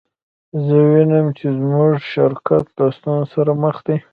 زه وینم چې زموږ شرکت له ستونزو سره مخ دی